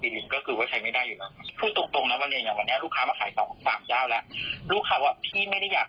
ลูกค้าว่าพี่ไม่ได้อยากขายนะครับ